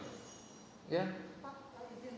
pak tadi kan sudah sebagai dapat